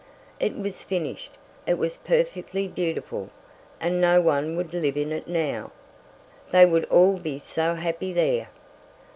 It was finished, it was perfectly beautiful, and no one would live in it now. They would all be so happy there.